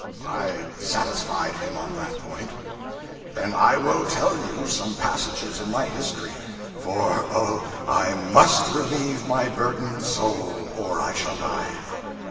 I satisfied him on that point. 'Then I will tell you some passages in my history; for oh, I _must _relieve my burdened soul, or I shall die!'